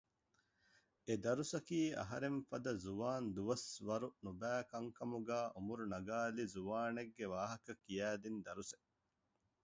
އެ ދަރުސަކީ އަހަރެންފަދަ ޒުވާންދުވަސް ވަރު ނުބައި ކަންކަމުގައި އުމުރު ނަގައިލި ޒުވާނެއްގެ ވާހަކަ ކިޔައިދިން ދަރުސެއް